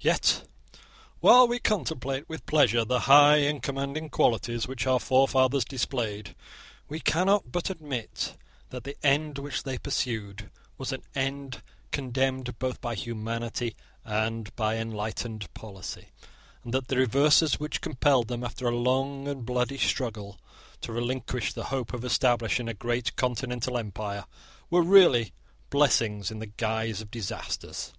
Yet while we contemplate with pleasure the high and commanding qualities which our forefathers displayed, we cannot but admit that the end which they pursued was an end condemned both by humanity and by enlightened policy, and that the reverses which compelled them, after a long and bloody struggle, to relinquish the hope of establishing a great continental empire, were really blessings in the guise of disasters.